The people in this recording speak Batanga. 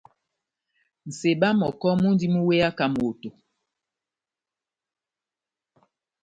Nʼseba mɔkɔ múndi múweyaka moto.